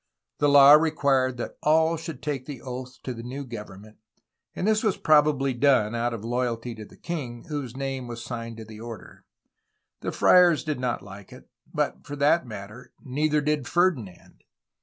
The law required that all should take oath to the new government, and this was probably done, out of loyalty to the king, whose name was signed to the order. The friars did not like it, but, for that matter, neither did Ferdinand.